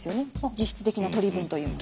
実質的な取り分というのは。